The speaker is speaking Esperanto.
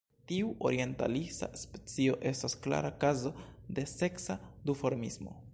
Tiu orientalisa specio estas klara kazo de seksa duformismo.